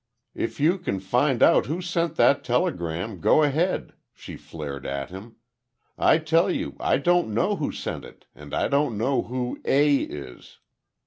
"If you can find out who sent that telegram, go ahead," she flared at him. "I tell you I don't know who sent it, and I don't know who 'A' is."